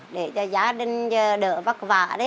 để cho gia đình đỡ vất vả